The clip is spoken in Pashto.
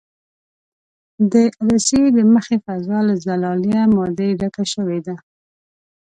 د عدسیې د مخې فضا له زلالیه مادې ډکه شوې ده.